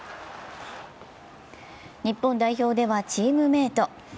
日本代表では、チームメイト。